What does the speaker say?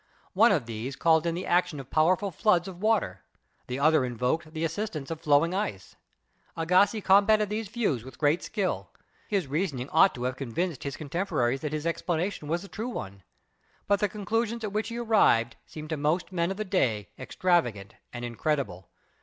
One of these called in the action of powerful floods of water, the other invoked the assistance of floating ice. Agassiz combated these views with great skill. His rea soning ought to have convinced his contemporaries that his explanation was the true one. But the conclusions at which he arrived seemed to most men of the day extrava 8o GEOLOGY gant and incredible.